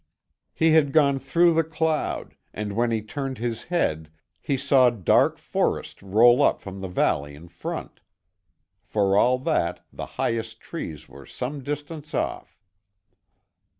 He had gone through the cloud and when he turned his head he saw dark forest roll up from the valley in front. For all that, the highest trees were some distance off.